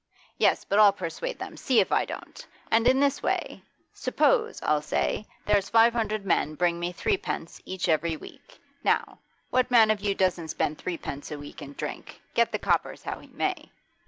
Yes, but I'll persuade them, see if I don't. And in this way. "Suppose," I'll say, "there's five hundred men bring me threepence each every week. Now what man of you doesn't spend threepence a week in drink, get the coppers how he may?